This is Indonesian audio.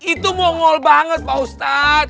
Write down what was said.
itu mongol banget pausat